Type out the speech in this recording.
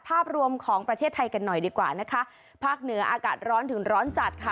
ภาพรวมของประเทศไทยกันหน่อยดีกว่านะคะภาคเหนืออากาศร้อนถึงร้อนจัดค่ะ